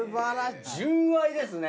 純愛ですね！